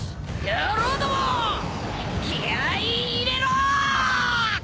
野郎ども気合入れろ！」